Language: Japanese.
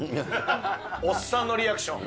おっさんのリアクション。